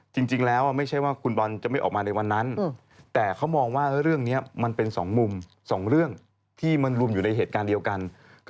เพื่อนที่ผมไม่ชัดแต่เรื่องนี้ผมได้คุยกับทางคุณโบ